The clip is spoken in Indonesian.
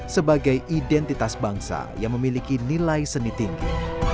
sebagai identitas bangsa yang memiliki nilai seni tinggi